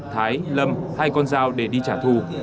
thái lâm hai con dao để đi trả thù